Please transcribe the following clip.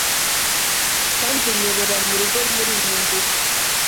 Kandi unyobora mu rugo muri iyi nzira